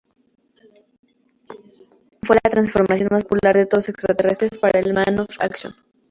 Fue la transformación más popular de todos los extraterrestres para el "Man of Action".